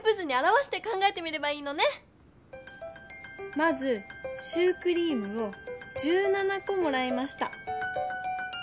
まずシュークリームを１７こもらいました。